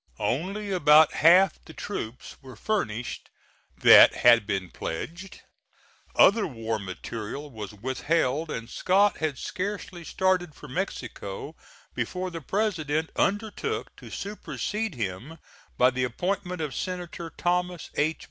Only about half the troops were furnished that had been pledged, other war material was withheld and Scott had scarcely started for Mexico before the President undertook to supersede him by the appointment of Senator Thomas H.